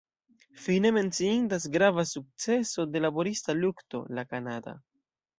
Fine, menciindas grava sukceso de la laborista lukto: La Kanada.